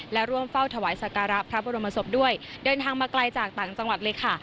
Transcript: และร่วมเฝ้าถวายสการะพระบรมศพด้วยเดินทางมาไกลจากต่างจังหวัดเลยค่ะ